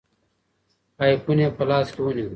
آیفون یې په لاس کې ونیوه.